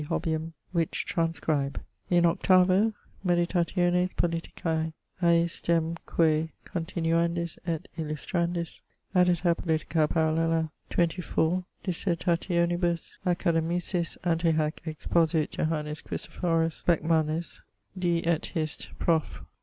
Hobbium which transcribe. In 8vo: Meditationes Politicae iisdemque continuandis et illustrandis addita Politica Parallela XXIV dissertationibus academicis antehac exposuit Johannes Christopherus Becmanus, D. et Hist. prof.